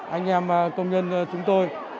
anh em công nhân chúng tôi